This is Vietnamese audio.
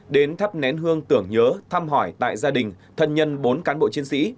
đến thắp nén hương tưởng nhớ thăm hỏi tại gia đình thân nhân bốn cán bộ chiến sĩ